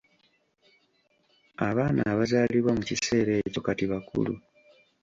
Abaana abazaalibwa mu kiseera ekyo kati bakulu.